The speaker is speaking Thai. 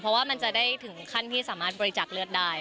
เพราะว่ามันจะได้ถึงขั้นที่สามารถบริจักษ์เลือดได้